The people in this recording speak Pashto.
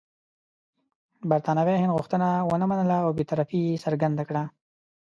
برټانوي هند غوښتنه ونه منله او بې طرفي یې څرګنده کړه.